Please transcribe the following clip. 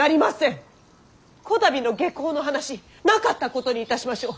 こたびの下向の話なかったことにいたしましょう。